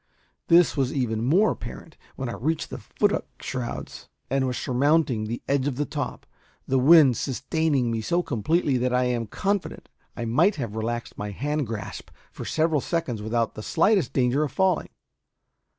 This was even more apparent when I reached the futtock shrouds and was surmounting the edge of the top, the wind sustaining me so completely that I am confident I might have relaxed my hand grasp for several seconds without the slightest danger of falling.